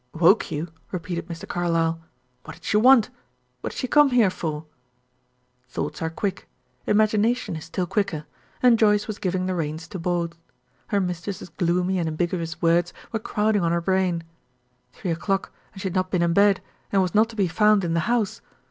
"Woke you!" repeated Mr. Carlyle. "What did she want? What did she come here for?" Thoughts are quick; imagination is still quicker; and Joyce was giving the reins to both. Her mistress's gloomy and ambiguous words were crowding on her brain. Three o'clock and she had not been in bed, and was not to be found in the house?